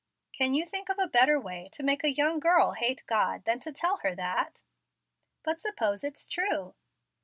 "Can you think of a better way to make a young girl hate God than to tell her that?" "But suppose it's true."